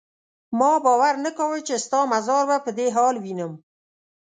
ما باور نه کاوه چې ستا مزار به په دې حال وینم.